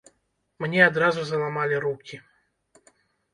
Мне адразу заламалі рукі.